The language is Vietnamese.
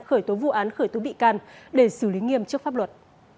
khởi tố vụ án khởi tố bị can để xử lý nghiêm trước pháp luật